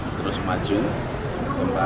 terus majun gembal